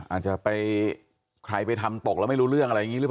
อาจจะไปใครไปทำตกแล้วไม่รู้เรื่องอะไรอย่างนี้หรือเปล่า